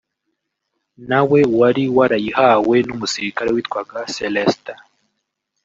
nawe wari warayihawe n’umusirikare witwaga Céléstin